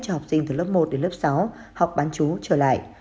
cho học sinh từ lớp một đến lớp sáu học bán chú trở lại